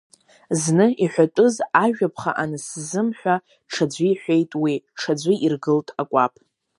Зны иҳәатәыз ажәа ԥха анысзымҳәа, ҽаӡәы иҳәеит уи, ҽаӡәы иргылт акәаԥ…